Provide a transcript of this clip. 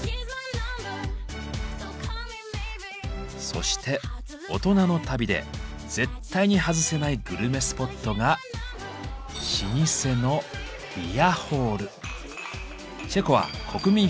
そして大人の旅で絶対に外せないグルメスポットが老舗のビアホール。